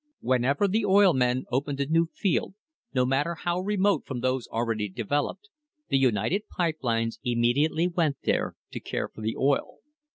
Whenever the oil men opened a new field, no matter how remote from those already developed, the United Pipe Lines immediately went there to care for the oil.